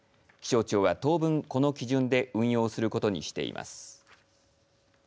気象庁は当分この基準で運用することにしています。